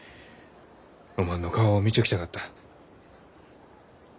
おまんの顔を見ちょきたかった。